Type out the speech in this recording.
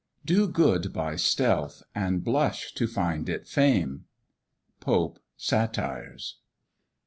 Do good by stealth, and blush to find it fame. POPE, Satires.